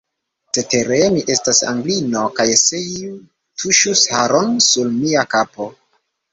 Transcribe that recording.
Cetere, mi estas Anglino, kaj se iu tuŝus haron sur mia kapo!